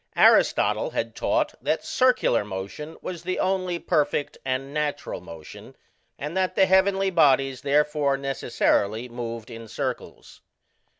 Aristotle had taught that circular motion was the only perfect and natural motion, and that the heavenly bodies therefore necessarily moved in circles.